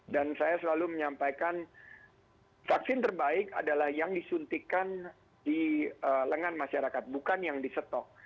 dan saya selalu menyampaikan vaksin terbaik adalah yang disuntikkan di lengan masyarakat bukan yang disetok